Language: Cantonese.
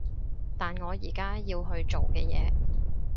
但我而家要去做嘅嘢